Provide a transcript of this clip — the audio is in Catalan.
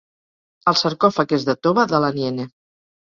El sarcòfag és de tova de l'Aniene.